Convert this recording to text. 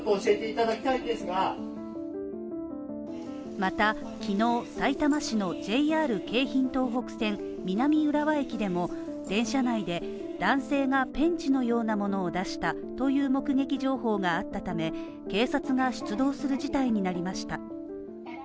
また、昨日、さいたま市のＪＲ京浜東北線南浦和駅でも電車内で男性なペンチのようなものを出したという目撃情報があったため、警察が出動する事態になりました。